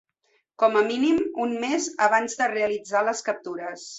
Com a mínim un mes abans de realitzar les captures.